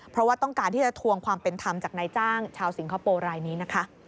เพราะว่าต้องการที่จะทวงความเป็นธรรมจากนายจ้างชาวสิงคโปร์รายนี้นะคะ